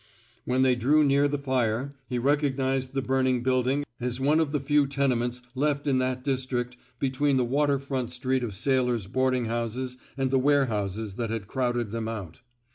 When they drew near the fire, he recog nized the burning building as one of the few tenements left in that district between the water front street of sailors' boarding houses and the warehouses that had crowded them out.